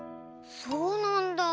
そうなんだ。